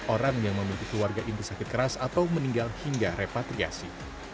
orang yang memiliki keluarga inti sakit keras atau meninggal hingga repatriasi